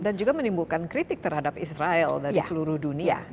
dan juga menimbulkan kritik terhadap israel dari seluruh dunia